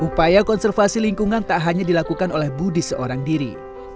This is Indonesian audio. upaya konservasi lingkungan tak hanya dilakukan oleh budi seorang diri